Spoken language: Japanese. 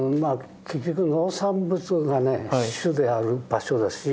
結局農産物がね主である場所ですし。